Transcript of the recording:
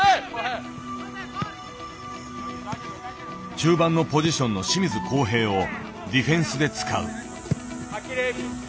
中盤のポジションの清水航平をディフェンスで使う。